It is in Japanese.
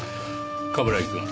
冠城くん